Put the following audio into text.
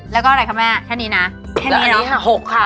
แล้วก็อะไรคะแม่แค่นี้นะแค่นี้ค่ะ๖ค่ะ